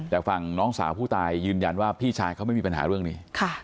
แต่ฝั่งน้องสาวผู้ตายยืนยันว่าพี่ชายเขาไม่มีปัญหาเรื่องนี้